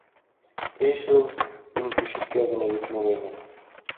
— Эйе шул, минең түшәккә генә етмәгәйне.